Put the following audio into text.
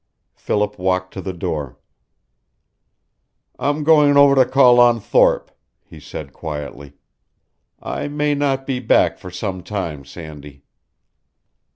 Philip walked to the door. "I'm going over to call on Thorpe," he said, quietly. "I may not be back for some time, Sandy."